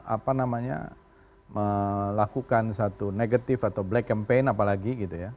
apa namanya melakukan satu negatif atau black campaign apalagi gitu ya